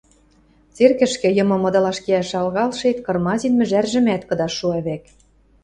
Церкӹшкӹ, йымым ыдылаш кеӓш шагалшет, кырмазин мӹжӓржӹмӓт кыдаш шуа вӓк.